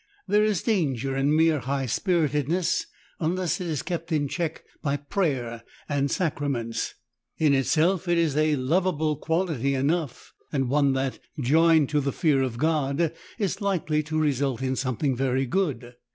There is dan ger in mere high spiritedness unless it is kept in check by prayer and sacraments. In itself it is a lovable quality enough, and one that, joined to the fear of God, is likely to result in something very good.